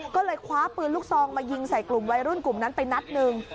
ก็เลยคว้าปืนลูกซองมายิงใส่กลุ่มวัยรุ่นกลุ่มนั้นไปนัดหนึ่ง